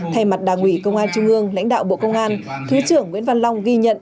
thay mặt đảng ủy công an trung ương lãnh đạo bộ công an thứ trưởng nguyễn văn long ghi nhận